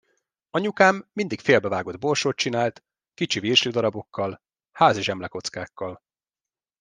Anyukám mindig félbevágott borsót csinált, kicsi virslidarabokkal, házi zsemlekockákkal.